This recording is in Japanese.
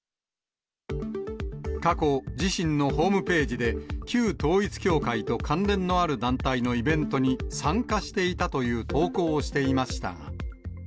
過去、自身のホームページで、旧統一教会と関連のある団体のイベントに参加していたという投稿をしていましたが。